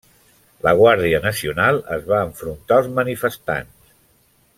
La Guàrdia Nacional es va enfrontar als manifestants.